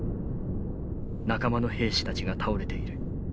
仲間の兵士たちが倒れている。